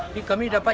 ini kami dapat